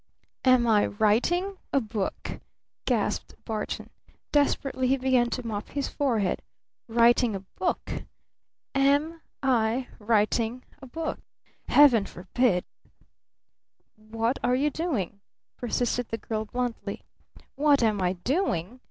"Am I writing a book?" gasped Barton. Desperately he began to mop his forehead. "Writing a book? Am I writing a book? Heaven forbid!" "What are you doing?" persisted the girl bluntly. "What am I doing?"